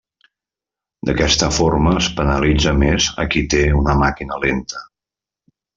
D'aquesta forma es penalitza més a qui té una màquina lenta.